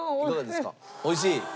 おいしい？